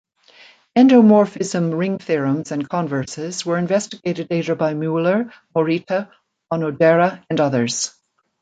Endomorphism ring theorems and converses were investigated later by Mueller, Morita, Onodera and others.